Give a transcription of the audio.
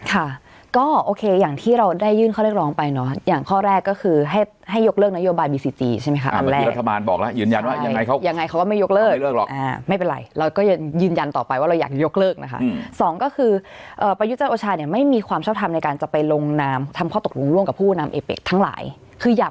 ค่ะก็โอเคอย่างที่เราได้ยื่นข้อเรียกร้องไปเนาะอย่างข้อแรกก็คือให้ยกเลิกนโยบายบีซีจีใช่ไหมค่ะอันแรก